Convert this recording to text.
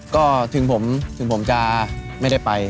ก็ถึงผมถึงผมจะไม่ได้ไป